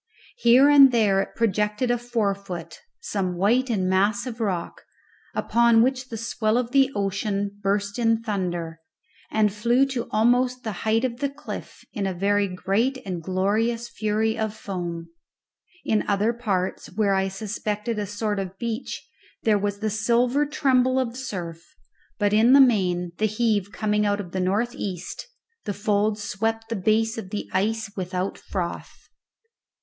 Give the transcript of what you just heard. Here and there it projected a forefoot, some white and massive rock, upon which the swell of the ocean burst in thunder, and flew to almost the height of the cliff in a very great and glorious fury of foam. In other parts, where I suspected a sort of beach, there was the silver tremble of surf; but in the main, the heave coming out of the north east, the folds swept the base of the ice without froth.